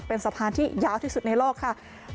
เป็นสะพานที่ยาวที่สุดในโลกค่ะ